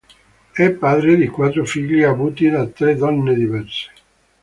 È padre di quattro figli avuti da tre donne diverse.